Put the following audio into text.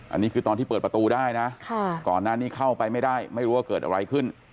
อันนี้คือตอนที่เปิดประตูได้นะก่อนหน้านี้เข้าไปไม่ได้ไม่รู้ว่าเกิดอะไรขึ้น